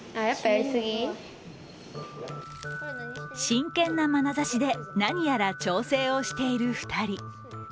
真剣なまなざしで何やら調整をしている２人。